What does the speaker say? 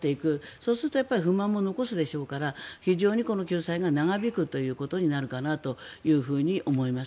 そうすると不満も残すでしょうから非常にこの救済が長引くということになるかなと思います。